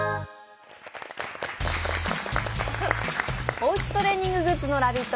おうちトレーニンググッズのラヴィット！